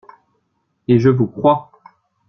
Et je vous crois!